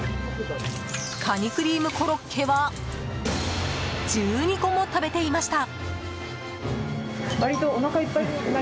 カニクリームコロッケは１２個も食べていました。